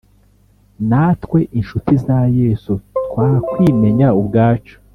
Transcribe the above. natwe inshuti za yesu.twa kwimenya ubwacu.